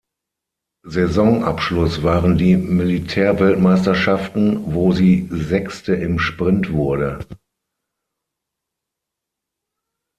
Saisonabschluss waren die Militärweltmeisterschaften, wo sie Sechste im Sprint wurde.